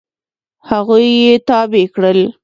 هغوی یې تابع کړل.